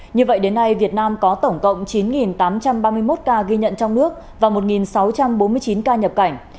như vậy đến nay việt nam có tổng cộng chín tám trăm ba mươi một ca ghi nhận trong nước và một sáu trăm bốn mươi chín ca nhập cảnh